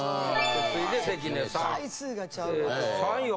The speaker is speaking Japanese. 続いて関根さん。